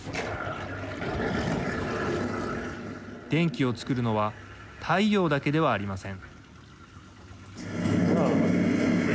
電気をつくるのは太陽だけではありません。